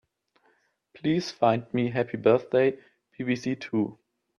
Please find me Happy Birthday BBC Two.